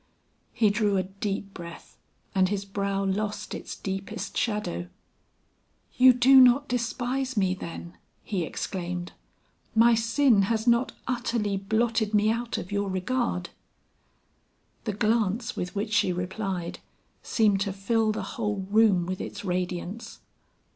He drew a deep breath and his brow lost its deepest shadow. "You do not despise me then," he exclaimed "My sin has not utterly blotted me out of your regard?" The glance with which she replied seemed to fill the whole room with its radiance.